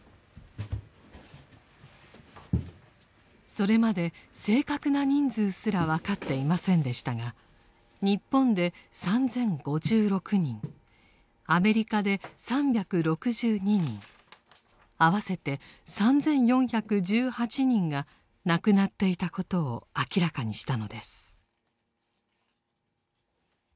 それまで正確な人数すら分かっていませんでしたが日本で３０５６人アメリカで３６２人合わせて３４１８人が亡くなっていたことを明らかにしたのです。